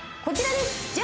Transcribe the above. こちらです